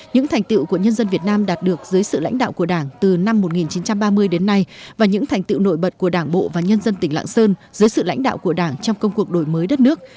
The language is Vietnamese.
những thành tiệu của nhân dân việt nam đạt được dưới sự lãnh đạo của đảng từ năm một nghìn chín trăm ba mươi đến nay và những thành tựu nội bật của đảng bộ và nhân dân tỉnh lạng sơn dưới sự lãnh đạo của đảng trong công cuộc đổi mới đất nước